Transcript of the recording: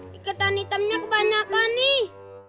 kiketan hitamnya kebanyakan nih